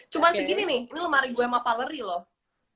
cuman segini nih ini lemari gue sama paleri loh